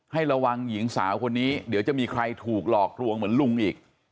ให้ระวังหญิงสาวคนนี้เดี๋ยวจะมีใครถูกหลอกลวงเหมือนลุงอีก